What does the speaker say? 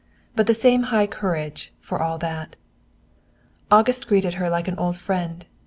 But the same high courage, for all that. August greeted her like an old friend.